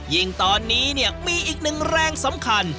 ยิ่งตอนนี้เนี่ยมีอีกหนึ่งแรงสำคัญ